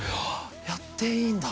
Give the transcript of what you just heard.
「やっていいんだ」